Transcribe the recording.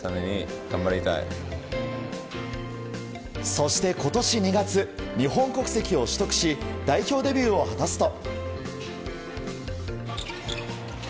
そして今年２月日本国籍を取得し代表デビューを果たすと。